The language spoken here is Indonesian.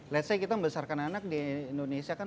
let s say kita membesarkan anak di indonesia kan